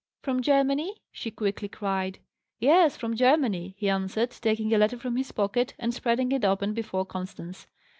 "From Germany?" she quickly cried. "Yes, from Germany," he answered, taking a letter from his pocket, and spreading it open before Constance.